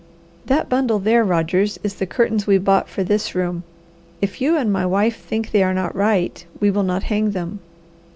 "That bundle there, Rogers, is the curtains we bought for this room. If you and my wife think they are not right, we will not hang them."